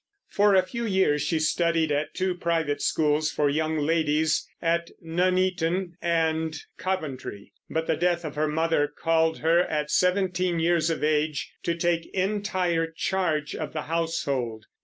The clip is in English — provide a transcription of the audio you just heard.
For a few years she studied at two private schools for young ladies, at Nuneaton and Coventry; but the death of her mother called her, at seventeen years of age, to take entire charge of the household.